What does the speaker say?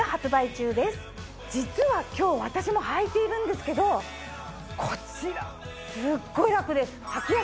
実は今日私も履いているんですけどこちらすっごい楽です！